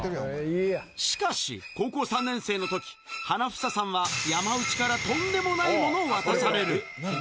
しかし、高校３年生のとき、花房さんは山内からとんでもないものを渡される。